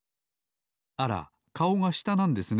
あらかおがしたなんですね。